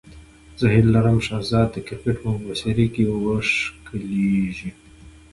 زه هیله لرم چې شهزاد د کرکټ په مبصرۍ کې وښکلېږي.